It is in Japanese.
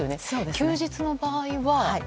休日の場合は？